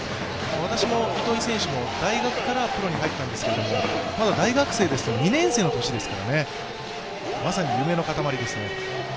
私も糸井選手も大学からプロに入ったんですけれどもまだ大学生でしたら２年生の年ですからね、まさに夢の塊ですね。